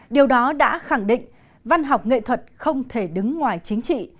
điều đó đã khẳng định văn học nghệ thuật không thể đứng ngoài chính trị